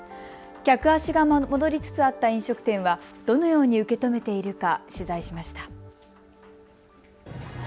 客足が戻りつつあった飲食店はどのように受け止めているか取材しました。